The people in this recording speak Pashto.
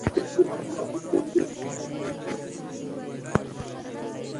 که موږ رښتیا پوه شو، نو د غلطو محاسبو نه ځان محفوظ کړو.